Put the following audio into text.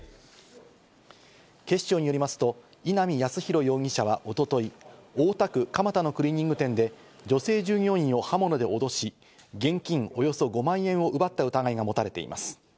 警視庁によりますと、稲見康博容疑者は一昨日、大田区蒲田のクリーニング店で女性従業員を刃物で脅し、現金およそ５万円を奪った疑いがもたれています。